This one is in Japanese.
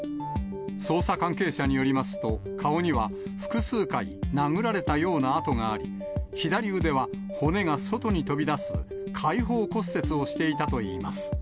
捜査関係者によりますと、顔には複数回、殴られたような痕があり、左腕は骨が外に飛び出す開放骨折をしていたといいます。